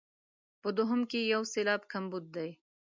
په دوهم کې یو سېلاب کمبود دی.